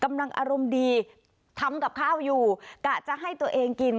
กำลังอารมณ์ดีทำกับข้าวอยู่กะจะให้ตัวเองกิน